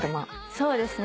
そうですね